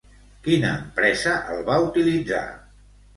Quina empresa el va utilitzar?